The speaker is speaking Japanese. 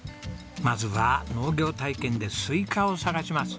まずは農業体験でスイカを探します。